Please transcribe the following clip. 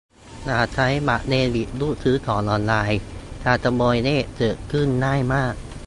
อย่าใช้บัตรเดบิตรูดซื้อของออนไลน์ การขโมยเลขเกิดขึ้นง่ายมาก